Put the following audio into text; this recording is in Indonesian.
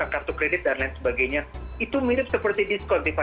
kartu kredit dan lain sebagainya itu mirip seperti diskon tiva